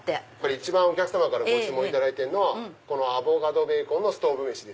一番お客さまからご注文いただいてるのはアボカドとベーコンのストウブ飯。